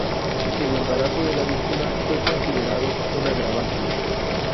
El embarazo de la víctima fue considerado un agravante.